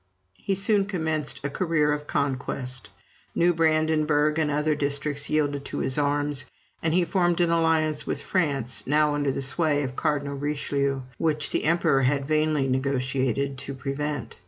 He soon commenced a career of conquest. New Brandenburg and other districts yielded to his arms, and he formed an alliance with France, now under the sway of Cardinal Richelieu, which the emperor had vainly negotiated to prevent.